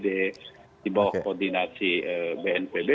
dibawah koordinasi bnpb